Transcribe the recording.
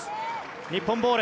日本ボール。